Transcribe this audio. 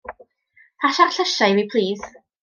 Pasia'r llysia' i fi plis.